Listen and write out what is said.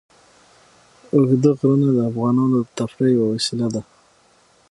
اوږده غرونه د افغانانو د تفریح یوه وسیله ده.